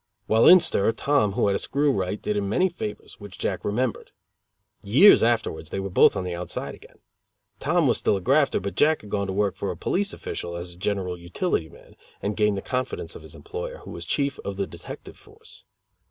While in stir, Tom, who had a screw right, did him many favors, which Jack remembered. Years afterwards they were both on the outside again. Tom was still a grafter, but Jack had gone to work for a police official as general utility man, and gained the confidence of his employer, who was chief of the detective force.